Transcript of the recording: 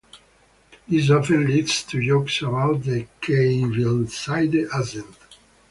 This often leads to jokes about a "Kelvinsaide" accent.